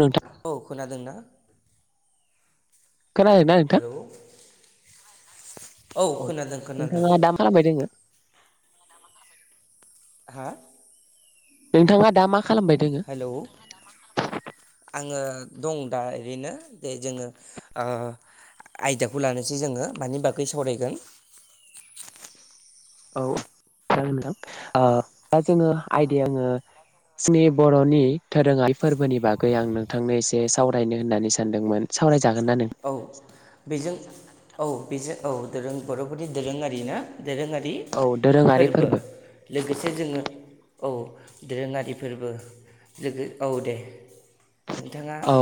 नोंथां औ खोनादों ना? खोनादों ना नोंथां औ खोनादों खोनादों नोंथाङा दा मा खालामबाय दोङो? हा? नोंथाङा दा मा खालामबाय दोङो? हेलौ आङो दं दा ओरैनो दे जोङो ओ आयदाखौ लानोसै जोङो मानि बागै सावरायगोन। औ जागोन नोंथां ओ दा जोङो आइदि आङो जोंनि बर'नि दोरोङारि फोरबोनि बागै आं नोंथांनो एसे सावरायनो होननानै सानदोंमोन सावरायजा औ बेजों औ। बेजों औ दोरों बर'फोरनि दोरोङारि ना? दोरोङारि औ दोरोङारि फोरबो लोगोसे जोङो औ दोरोङारि फोरबो लोगो औ दे। नोंथाङा औ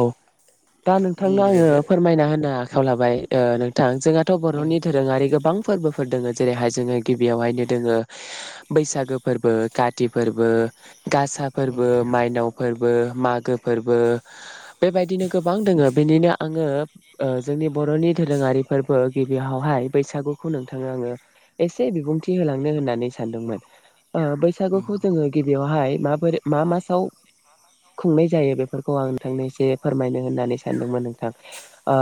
दा नोंथांनो आङो बुंग्रोदो फोरमायना होनो आखायाव लाबाय नोंथां जोंहाथ' उम बर'नि धोरोङारि गोबां फोरबो फोर दोङो जेरैहाय जोङो गिबियावहायनो दोङो बैसागो फोरबो काति फोरबो गासा उम फोरबो मायनाव फोरबो मागो फोरबो बेबायदिनो गोबां दोङो बेनिनो आङो ओ जोंनि बर'नि धोरोङारि फोरबो गिबियावहाय बैसागुखौ नोंथांनो आङो एसे बिबुंथि होलांनो होननानै सानदोंमोन। ओ बैसागुखौ जोङो गिबियावहाय मा फोर मा मासआव खुंनाय जायो बेफोर खौ आं नोंथांनो एसे फोरमायनो होननानै सानदोंमोन नोंथां। ओ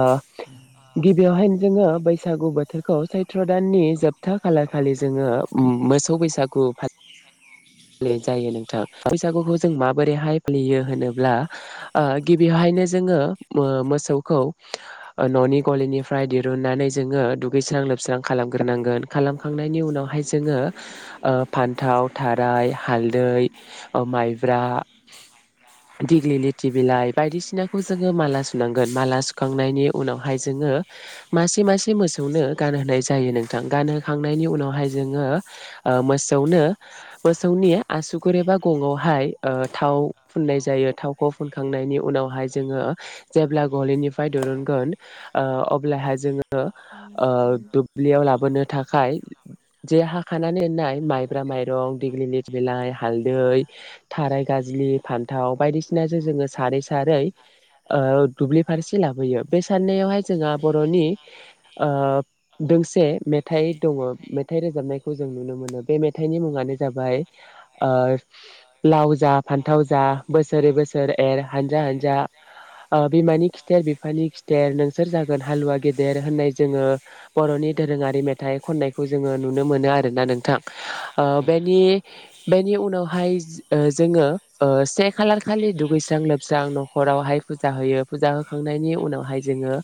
गिबियावहायनो जोङो बैसागु बोथोरखौ सैथ्र दाननि जोबथा खालारखालि जोङो मोसौ बैसागु फालि जायो नोंथां बैसागुखौ जों माबोरैहाय फालियो होनोब्ला ओ गिबियावहायनो जोङो मोसौखौ ओ न'नि गलिनिफ्राय दिरुननानै जोङो दुगैस्रां लोबस्रां खालामग्रोनांगोन खालामखांनायनि उनावहाय जोङो ओ फान्थाव थाराय हालदै माइब्रा दिगलिथि बिलाइ बायदिसिनाखौ जोङो माला सुनांगोन माला सुखांनायनि उनावहाय जोङो मासे मासे मोसौनो गानहोनाय जायो नोंथां गानहोखांनायनि उनावहाय जोङो ओ मोसौनो मोसौनि आसुगुर एबा गङावहाय थाव फुननाय जायो थाव खौ फुनखांनायनि उनावहाय जोङो जेब्ला गलिनिफ्राय दिरुनगोन ओ अब्लाहाय जोङो ओ दुब्लियाव लाबोनो थाखाय जे हाखानानै होननाय माइब्रा माइरं दिग्लिलिथि बिलाइ हालदै थाराय गाज्लि फान्थाव बायदिसि सिनाजों जोङो सारै सारै दुब्लि फारसे लाबोयो बे साननायावहाय जोंहा बरनि ओ दोंसे मेथाइ दङ मेथाइ रोजाबनायखौ जों नुनो मोनो बे मेथाइनि मुङानो जाबाय ओ लाव जा फान्थाव जा बोसोर बोसोर बोसोर एर हानजा हानजा बिमानि खिथेर बिफानि खिथेर नोंसोर जागोन हालुवा गेदेर होननाय जोङो बरनि दोरोङारि मेथाइ खननायखौ जोङो नुनो मोनो आरोना नोंथां ओ बेनि बेनि उनावहाय ओ जोङो ओ से खालार खालि दुगैस्रां लोबस्रां नखरावहाय फुजा होयो फुजा होखांनायनि उनावहाय जोङो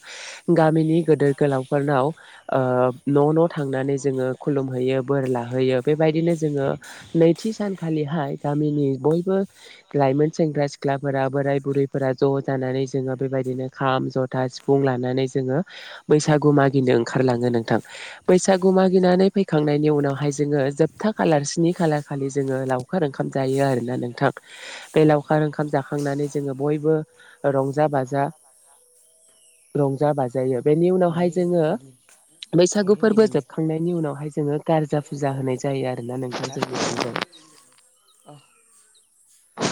गामिनि गदोर गोलावफोरनाव ओ न न थांनानै जोङो खुलुमहैयो बोर लाहोयो बेबायदिनो जोङो नैथि सानखालिहाय गामिनि बयबो लाइमोन सेंग्रा सिख्लाफोरा बोराय बुरैफोरा ज जानानै जोङो बेबायदिनो खाम जथा सिफुं लानानै जोङो बैसागु मागिनो ओंखारलाङो नोंथां बैसागु मागिनानै फैखांनायनि उनावहाय जोङो जोबथा खालार स्नि खालार खालि जोङो लावखार ओंखाम जायो आरोना नोंथां बे उम लावखार ओंखाम जाखां खांनानै जोङो बयबो रंजा बाजा रंजा बाजायो बेनि उनावहाय महे जोङो महे बैसागु फोरबो मिलिमे जोबखांनायनि उनावहाय जोङो गारजा फुजा होनाय जायो आरो ना नोंथां हा [inaudible]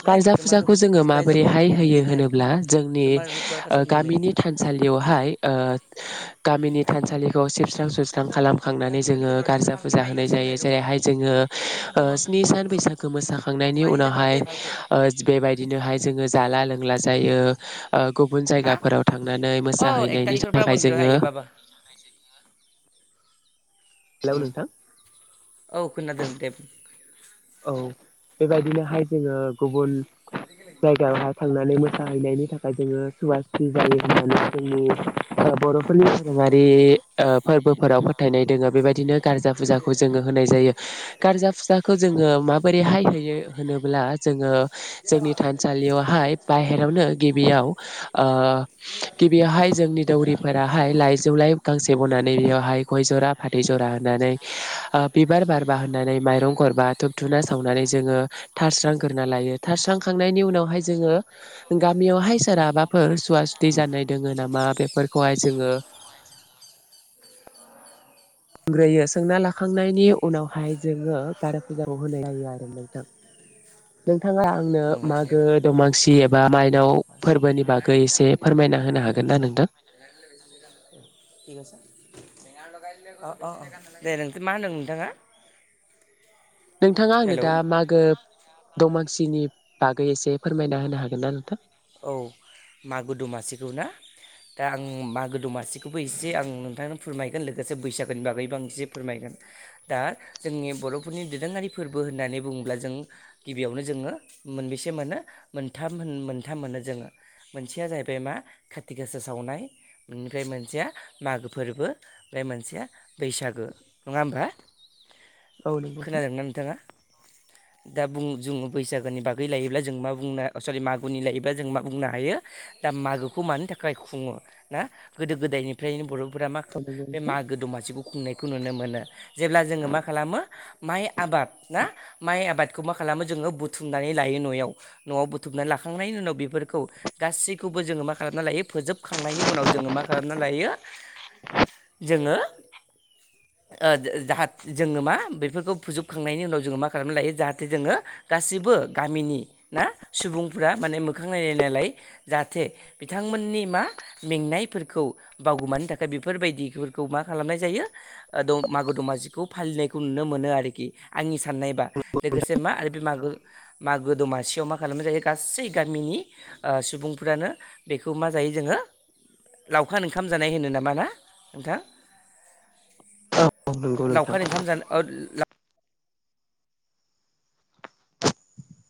गारजा फुजाखौ जोङो माबोरैहाय होयो होनोब्ला जोंनि गामिनि थानसालियावहाय ओ गामिनि थानसालिखौ सिब स्रां सुस्रां खालामखांनानै जोङो गारजा फुजा होनाय जायो जेरैहाय जोङो स्नि सान बैसागो मोसाखांनायनि उनावहाय ओ बेबायदिनो हाय जोङो जाला लोंला जायो गुबुन जायगाफोराव थांनानै मोसाहैनायनि थाखाय जोङो हेल बुं नोथां औ खोनादों दे बुं औ बेबायदिनोहाय जोङो गुबुन जायगायावहाय थांनानै मोसाहैनायनि थाखाय जोङो सुवास्रि जायो होननानै जोंनि बरफोरनि उम दोङारि फोरबोफोराव फोथायनाय दोङो बेबायदिनो गारजा फुजाखौ जोङो होनाय जायो गार्जा फुजाखौ जोङो जोङो माबोरैहाय होयो होनोब्ला जोङो जोंनि थानसालियावहाय बाहेरायावनो गिबियाव गिबियावहाय जोंनि दौरिफोराहाय लाइजौ लाइ गांसे बनानै बेयावहाय गय जरा फाथै जरा होनानै बिबार बारबा होनानै माइरं गरबा धुुब धुना सावनानै जोङो थारस्रांग्रोना लायो थारस्रांखांनायनि उनावहाय जोङो गामियावहाय सोरहाबाफोर सुवा सुदि जानाय दोङो नामा बेफोरखौहाय जोङो ग्रोयो सोंना लाखांनायनि उनावहाय जोङो कारा फुजाखौ होनाय जायो आरो नोंथां। नोंथाङा आंनो उम उम मागो दमासि एबा मायनाव फोरबोनि बागै एसे फोरमायना होनो हागोन ना नोंथां? फैगासिनो अ अ अ दे नों मा होनदों नोंथाङा? नोंथाङा आंनो दा हेलौ मागो दमांसिनि बागै एसे फोरमायना होनो हागोन ना नोंथां। औ मागो दमासिखौ ना? दा आं मागो दमासिखौबो एसे आं नोंथांनो फोरमायगोन लोगोसे बैसागोनि बागैबो आं एसे फोरमायगोन दा जोंनि बर'फोरनि दोरोङारि फोरबो होननानै बुङोब्ला जों गिबियावनो जोङो मोनबेसे मोनो? मोनथाम होन मोनथाम मोनो जोङो। मोनसेया जाहैबाय मा? काथि गासा सावनाय बेनिफ्राय मोनसेया मागो फोरबो ओमफ्राय मोनसेया बैसागो। नङा होमबा? औ नंगौ नोंथां खोनादों ना नोंथाङा। दा बुं जोङो बैसागोनि बागै लायोब्ला जों मा बुंनो सरि मागुनि लायोब्ला जों मा बुंनो हायो दा मागोखौ मानि थाखाय खुङो ना गोदो गोदायनिफ्रायनो बर' फोरा मा औ नंगौ बे नोंथां मागो दमासिखौ खुंनायखौ नुनो मोनो। जेब्ला जोङो मा खालामो? माइ आबाद ना? माइ आबादखौ मा खालामो जोङो? बुथुमनानै लायो न'याव। न'आव बुथुमनानै लाखांनायनि उनाव बेफोर खौ गासैखौबो जोङो मा खालामना लायो फोजोब खांनायनि उनाव जोङो मा खालामना लायो? जोङोे ओ जा जोङो मा बेफोरखौ फोजोबखांनायनि उनाव जोङो मा खालामना लायो जाहाथे जोङो गाससिबो गामिनि ना सुबुंफोरा माने मोखां नायलाय नायलाय जाहाथे बिथांमोननि मा मेंनायफोरखौ बावगुमानो थाखाय बेफोरबायदिफोरखौ मा खालामनाय जायो ओ द मागो दमासिखौ फालिनायखौ नुनो मोनो आरोखि। आंनि साननायबा। लोगोसे मा? आरो बे मागो मागो दमासियाव मा खालामनाय जायो? गासै गामिनि ओ सुबुंफ्रानो बेखौ मा जायो जोङो लावखार ओंखाम जानाय होनो नामा ना नोंथां? औ नंगौ नोंथां लावखार ओंखाम जानो ओ लाव